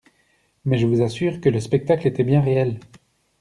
Mais je vous assure que le spectacle était bien réel.